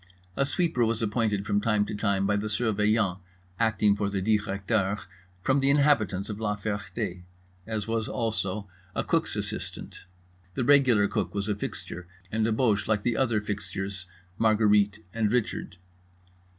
A sweeper was appointed from time to time by the Surveillant, acting for the Directeur, from the inhabitants of La Ferté; as was also a cook's assistant. The regular cook was a fixture, and a Boche like the other fixtures, Marguerite and Richard.